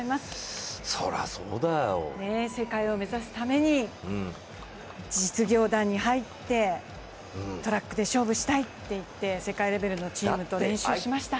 世界を目指すために実業団に入って、トラックで勝負したいといって世界レベルのチームと練習しました。